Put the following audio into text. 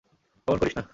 এমন করিস না।